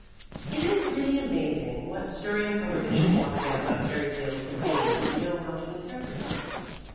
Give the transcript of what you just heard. It is really amazing what stirring prohibition propaganda fairy tales contain if you know how to interpret them.